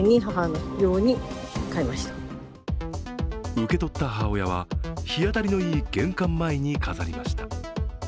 受け取った母親は日当たりのいい、玄関前に飾りました。